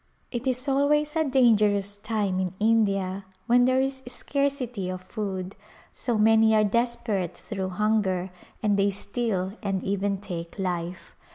It is always a dangerous time in India when there is scarcity of food, so many are desperate through hunger and they steal and even take life.